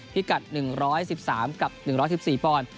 พิกัด๑๑๓กับ๑๑๔ปอนด์